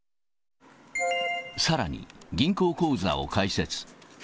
さらに、銀行口座を開設。